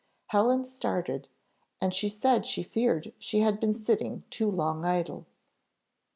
Helen started, and said she feared she had been sitting too long idle.